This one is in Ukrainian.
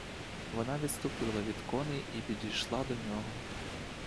Вона відступила від коней і підійшла до нього.